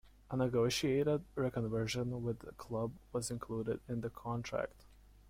A negotiated reconversion within the club was included in the contract.